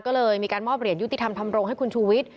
ก็เลยมีการมอบเหรียญยุติธรรมทำรงให้คุณชูวิทย์